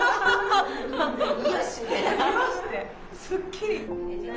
すっきり。